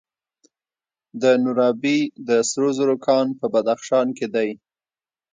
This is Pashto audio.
د نورابې د سرو زرو کان په بدخشان کې دی.